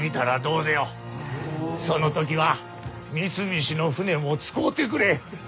その時は三菱の船も使うてくれ。